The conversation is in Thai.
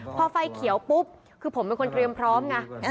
พอไฟเขียวปุ๊บคือผมเป็นคนเตรียมพร้อมไง